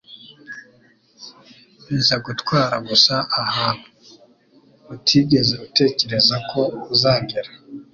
bizagutwara gusa ahantu utigeze utekereza ko uzagera.”